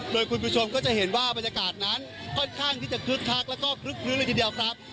โดยคุณผู้ชมก็จะเห็นว่าบรรยากาศนั้นค่อนข้างที่จะคึกคักแล้วก็คลึกคลื้นเลยทีเดียวครับ